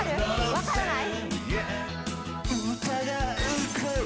分からない？